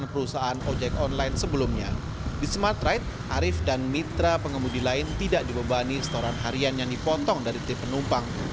pembuat perusahaan harian yang dipotong dari titik penumpang